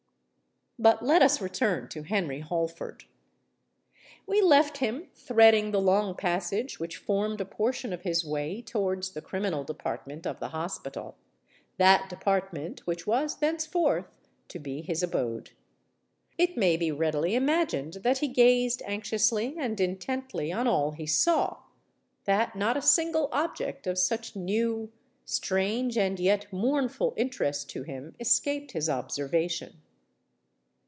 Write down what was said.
But let us return to Henry Holford. We left him threading the long passage which formed a portion of his way towards the criminal department of the hospital,—that department which was thenceforth to be his abode! It may be readily imagined that he gazed anxiously and intently on all he saw,—that not a single object of such new, strange, and yet mournful interest to him escaped his observation.